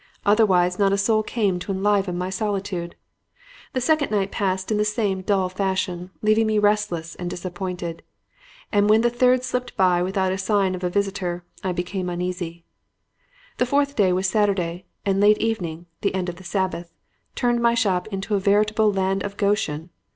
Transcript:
Otherwise, not a soul came to enliven my solitude. The second night passed in the same dull fashion, leaving me restless and disappointed; and when the third slipped by without the sign of a visitor, I became really uneasy. "The fourth day was Saturday, and the late evening the end of the Sabbath turned my shop into a veritable Land of Goshen.